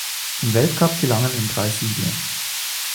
Im Weltcup gelangen ihm drei Siege.